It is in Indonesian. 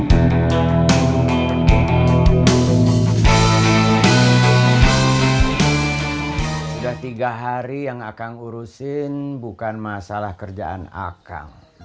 sudah tiga hari yang akang urusin bukan masalah kerjaan akang